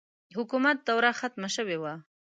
حکومت دوره ختمه شوې وه.